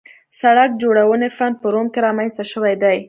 د سړک جوړونې فن په روم کې رامنځته شوی دی